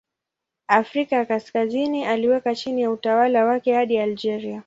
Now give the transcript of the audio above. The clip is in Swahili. Afrika ya Kaskazini aliweka chini ya utawala wake hadi Algeria.